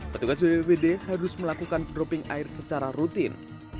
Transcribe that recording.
petugas bppd harus melakukan dropping air secara rutin